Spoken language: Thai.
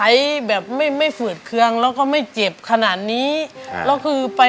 สามีก็ต้องพาเราไปขับรถเล่นดูแลเราเป็นอย่างดีตลอดสี่ปีที่ผ่านมา